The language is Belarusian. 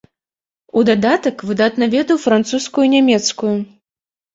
У дадатак выдатна ведаў французскую і нямецкую.